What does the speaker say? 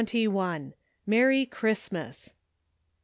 *' MERRY CHRISTMAS."